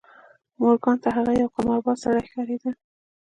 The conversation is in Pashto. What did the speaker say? مورګان ته هغه یو قمارباز سړی ښکارېده